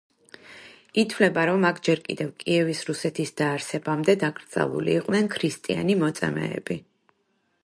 ითვლება, რომ აქ ჯერ კიდევ კიევის რუსეთის დაარსებამდე დაკრძალული იყვნენ ქრისტიანი მოწამეები.